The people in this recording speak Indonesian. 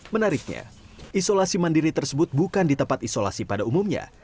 menariknya isolasi mandiri tersebut bukan di tempat isolasi pada umumnya